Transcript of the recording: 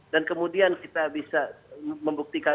dan kemudian kita bisa membuktikan